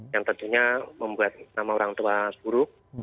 yang tentunya membuat nama orang tua buruk atau jelek